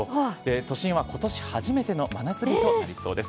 都心はことし初めての真夏日となりそうです。